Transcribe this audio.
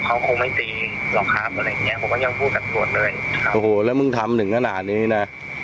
เขาคงไม่ตีหรอกครับอะไรอย่างเงี้ผมก็ยังพูดกับตำรวจเลยครับโอ้โหแล้วมึงทำถึงขนาดนี้นะ